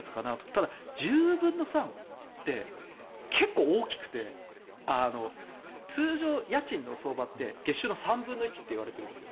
ただ、１０分の３って結構大きくて通常、家賃の相場って月収の３分の１といわれているんです。